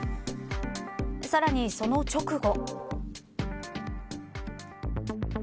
さらに、その直後。